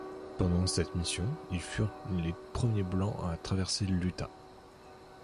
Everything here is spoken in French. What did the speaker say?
Pendant cette mission, ils furent les premiers Blancs à traverser l'Utah.